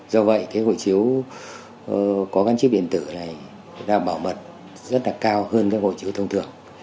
do vậy cái hộ chiếu có con chip điện tử này đã bảo mật rất là cao hơn các hộ chiếu thông thường